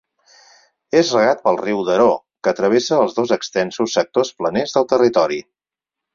És regat pel riu Daró, que travessa els dos extensos sectors planers del territori.